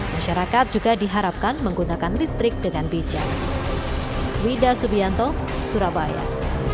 masyarakat juga diharapkan menggunakan listrik dengan bijak